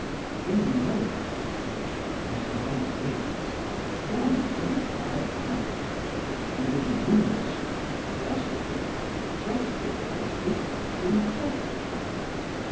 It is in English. In a moment he transmigrates, dons the required character, and with moonstruck philosophy justifies the act in question.